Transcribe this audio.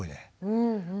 うんうん。